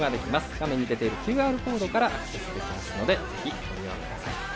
画面に出ているＱＲコードからアクセスできますのでぜひ、ご利用ください。